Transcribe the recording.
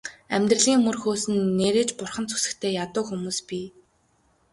Амьдралын мөр хөөсөн нээрээ ч бурханд сүсэгтэй ядуу хүмүүс бий.